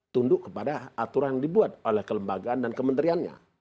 tunduk kepada aturan yang dibuat oleh kelembagaan dan kementeriannya